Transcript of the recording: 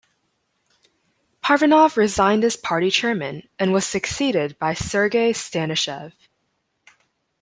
Parvanov resigned as party chairman and was succeeded by Sergei Stanishev.